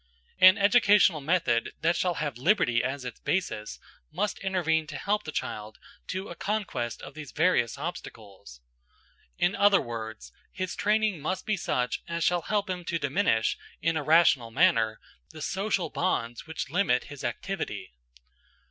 An educational method that shall have liberty as its basis must intervene to help the child to a conquest of these various obstacles. In other words, his training must be such as shall help him to diminish, in a rational manner, the social bonds, which limit his activity.